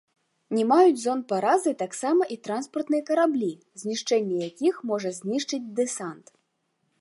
Не маюць зон паразы таксама і транспартныя караблі, знішчэнне якіх можа знішчыць дэсант.